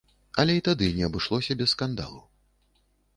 Але і тады не абышлося без скандалу.